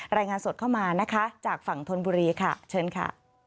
รายงานสดเข้ามานะคะจากฝั่งธนบุรีค่ะเชิญค่ะ